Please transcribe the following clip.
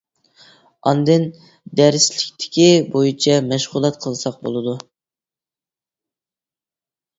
ئاندىن دەرسلىكتىكى بويىچە مەشغۇلات قىلساق بولىدۇ.